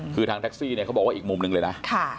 คือทางแท็กซี่เนี่ยเขาบอกว่าอีกมุมหนึ่งเลยนะ